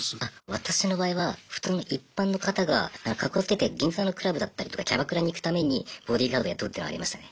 私の場合は普通の一般の方がカッコつけて銀座のクラブだったりとかキャバクラに行くためにボディーガード雇うっていうのありましたね。